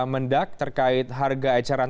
mendag terkait harga eceran